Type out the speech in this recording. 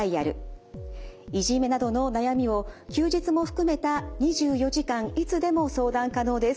いじめなどの悩みを休日も含めた２４時間いつでも相談可能です。